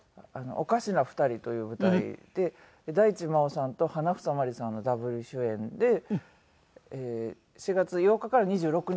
『おかしな二人』という舞台で大地真央さんと花總まりさんのダブル主演で４月８日から２６日までシアタークリエで。